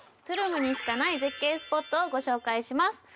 トゥルムにしかない絶景スポットをご紹介します